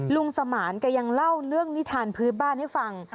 สมานแกยังเล่าเรื่องนิทานพื้นบ้านให้ฟัง